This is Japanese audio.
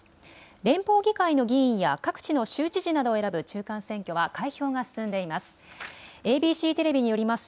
連邦議会の議員や各地の州知事などを選ぶ中間選挙は開票が進んでいます。